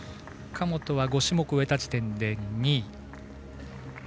神本は５種目終えた時点で２位。